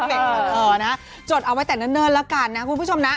เออนะจดเอาไว้แต่เนิ่นแล้วกันนะคุณผู้ชมนะ